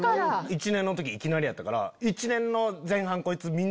１年の時いきなりやったから。